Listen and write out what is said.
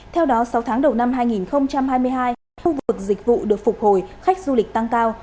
theo đó sáu tháng đầu năm hai nghìn hai mươi hai khu vực dịch vụ được phục hồi khách du lịch tăng cao